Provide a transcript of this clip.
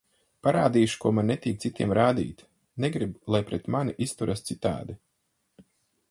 Parādīšu, ko man netīk citiem rādīt, negribu, lai pret mani izturas citādi.